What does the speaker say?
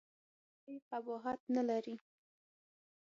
کوم شرعي قباحت نه لري.